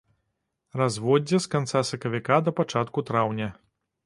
Разводдзе з канца сакавіка да пачатку траўня.